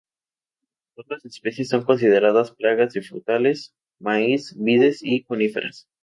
Otras especies son consideradas plagas de frutales, maíz, vides y coníferas.